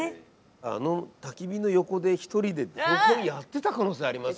あのたき火の横で一人で標本やってた可能性ありますよ。